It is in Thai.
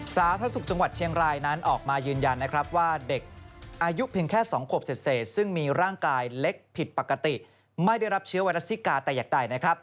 สาธารณสุขจังหวัดเชียงรายนั้นออกมายืนยันนะครับว่าเด็กอายุเพียงแค่๒ขวบเศษซึ่งมีร่างกายเล็กผิดปกติไม่ได้รับเชื้อไวรัสซิกาแต่อย่างใดนะครับ